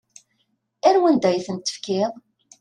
Ar wanda i tent-tefkiḍ?